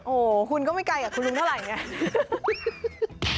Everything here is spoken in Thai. โอ้โหคุณก็ไม่ไกลกับคุณลุงเท่าไหร่ไง